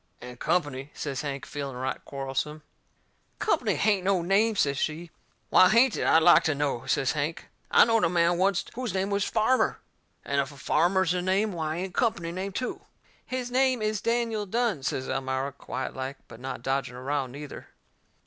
"And Company," says Hank, feeling right quarrelsome. "COMPANY hain't no name," says she. "WHY hain't it, I'd like to know?" says Hank. "I knowed a man oncet whose name was Farmer, and if a farmer's a name why ain't a company a name too?" "His name is Daniel Dunne," says Elmira, quietlike, but not dodging a row, neither.